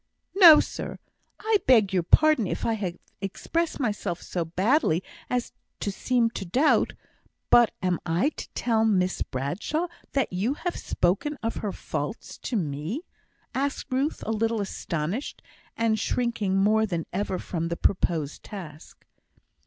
"No, sir. I beg your pardon if I have expressed myself so badly as to seem to doubt. But am I to tell Miss Bradshaw that you have spoken of her faults to me?" asked Ruth, a little astonished, and shrinking more than ever from the proposed task.